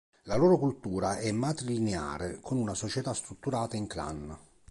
La loro cultura è matrilineare, con una società strutturata in clan.